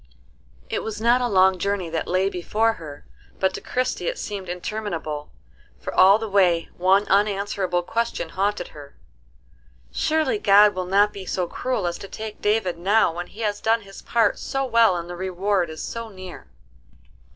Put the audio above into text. It was not a long journey that lay before her; but to Christie it seemed interminable, for all the way one unanswerable question haunted her, "Surely God will not be so cruel as to take David now when he has done his part so well and the reward is so near."